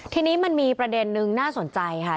ทีนี้มันมีประเด็นนึงน่าสนใจค่ะ